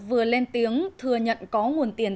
vừa lên tiếng thừa nhận có nguồn tiền